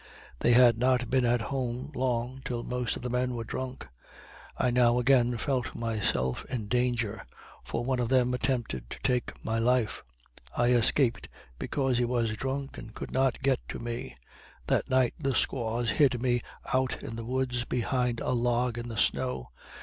They had not been at home long until most of the men were drunk. I now again felt myself in danger, for one of them attempted to take my life; I escaped because he was drunk and could not get to me. That night the squaws hid me out in the woods behind a log in the snow.